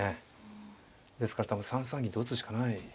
ですから多分３三銀と打つしかない。